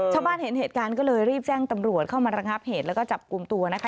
ชาวบ้านเห็นเหตุการณ์ก็เลยรีบแจ้งตำรวจเข้ามาระงับเหตุแล้วก็จับกลุ่มตัวนะคะ